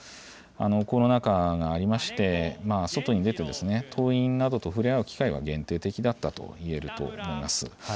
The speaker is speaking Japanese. コロナ禍がありまして、外に出て、党員などと触れ合う機会は限定的だったといえると思います。